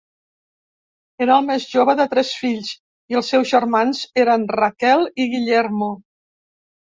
Era el més jove de tres fills, i els seus germans eren Raquel i Guillermo.